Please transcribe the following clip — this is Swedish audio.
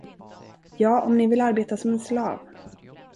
Ja, om ni vill arbeta som en slav.